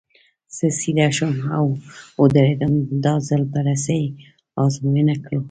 زه سیده شوم او ودرېدم، دا ځل به رسۍ ازموینه کړو.